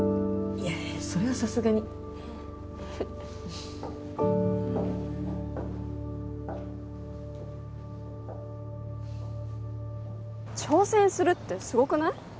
いやいやそれはさすがに挑戦するってすごくない？